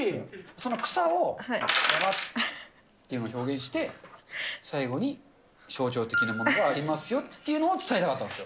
その草をばばっていうのを表現して、最後に象徴的なものもありますよっていうのを伝えたかったんです